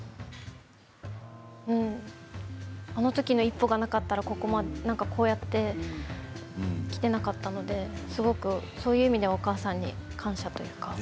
あの時の一歩がなかったらこうやって来ていなかったのですごくそういう意味ではお母さんに感謝というか。